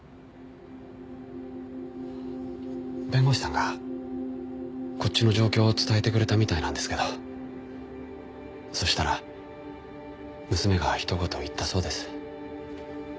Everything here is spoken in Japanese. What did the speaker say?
弁護士さんがこっちの状況を伝えてくれたみたいなんですけどそしたら娘がひと言言ったそうです。